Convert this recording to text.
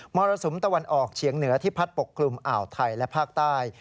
รสุมตะวันออกเฉียงเหนือที่พัดปกคลุมอ่าวไทยและภาคใต้